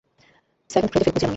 Seventh গ্রেডে fail করেছিলাম আমি!